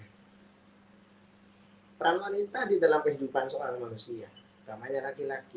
hai peran wanita di dalam kehidupan soal manusia utamanya laki laki